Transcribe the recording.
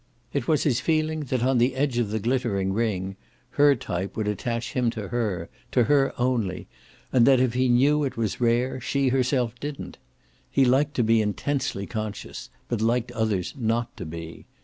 It was his feeling that on the edge of the glittering ring her type would attach him to her, to her only, and that if he knew it was rare she herself didn't. He liked to be intensely conscious, but liked others not to be.